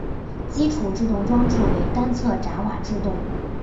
基础制动装置为单侧闸瓦制动。